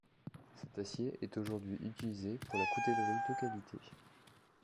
Cet acier est aujourd'hui utilisé pour la coutellerie de qualité.